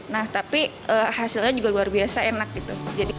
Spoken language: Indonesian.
nah tapi hasilnya juga luar biasa enak gitu